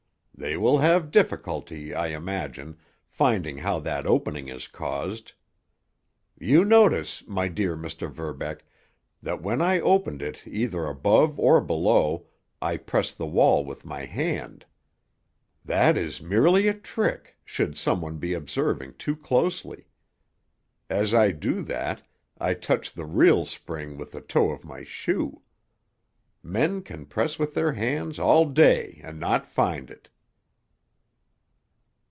"They will have difficulty, I imagine, finding how that opening is caused. You notice, my dear Mr. Verbeck, that when I opened it either above or below, I press the wall with my hand. That is merely a trick, should some one be observing too closely. As I do that, I touch the real spring with the toe of my shoe. Men can press with their hands all day and not find it."